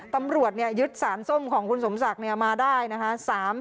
ตำรวจยึดสารส้มของคุณสมศักดิ์มาได้นะคะ